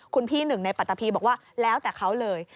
คุณพี่หนึ่งในปัตตะพีบอกว่าแล้วแต่เขาเลย